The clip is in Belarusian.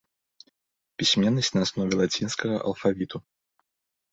Пісьменнасць на аснове лацінскага алфавіту.